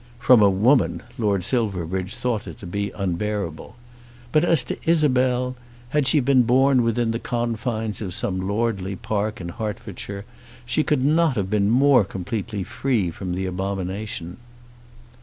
From a woman, Lord Silverbridge thought it to be unbearable. But as to Isabel, had she been born within the confines of some lordly park in Hertfordshire, she could not have been more completely free from the abomination.